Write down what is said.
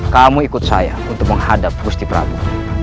kamu ikut saya untuk menghadap gusti prabu